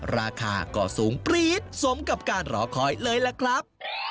ราคาก็สูงปรี๊ดสมกับการรอคอยเลยล่ะครับ